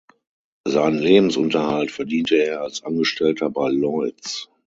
Seinen Lebensunterhalt verdiente er als Angestellter bei Lloyd's.